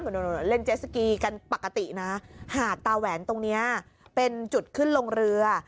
เดี๋ยวเดี๋ยวเดี๋ยวเล่นเจสสกีกันปกตินะหาดตาแหวนตรงเนี้ยเป็นจุดขึ้นลงเรือ